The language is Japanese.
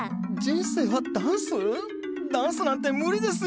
ダンスなんて無理ですよ。